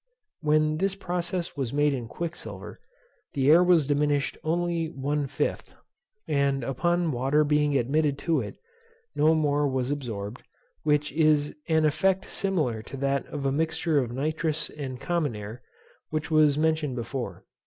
When this process was made in quicksilver, the air was diminished only one fifth; and upon water being admitted to it, no more was absorbed; which is an effect similar to that of a mixture of nitrous and common air, which was mentioned before.